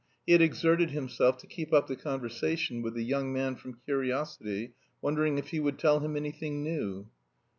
He had exerted himself to keep up the conversation with the young man from curiosity, wondering if he would tell him anything new.